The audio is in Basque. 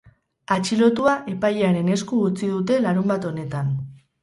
Atxilotua epailearen esku utzi dute larunbat honetan.